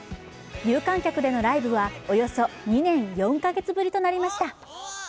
有観客でのライブはおよそ２年４カ月ぶりとなりました。